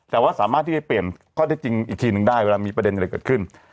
แต่ว่าสามารถที่จะเปลี่ยนข้อเท็จจริงอีกทีนึงได้เวลามีประเด็นอะไรเกิดขึ้น